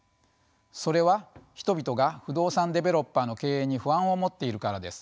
それは人々が不動産デベロッパーの経営に不安を持っているからです。